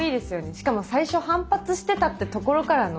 しかも最初反発してたってところからの。